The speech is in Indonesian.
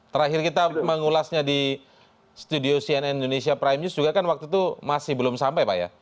terakhir kita mengulasnya di studio cnn indonesia prime news juga kan waktu itu masih belum sampai pak ya